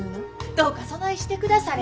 どうかそないしてくだされ。